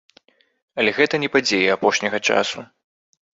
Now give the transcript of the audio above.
Але гэта не падзеі апошняга часу.